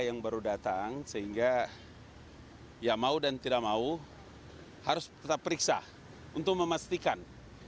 yang baru datang sehingga ya mau dan tidak mau harus tetap periksa untuk memastikan